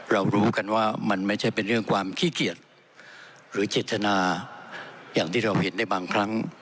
รู้กันว่ามันไม่ใช่เป็นเรื่องความขี้เกียจหรือเจตนาอย่างที่เราเห็นในบางครั้ง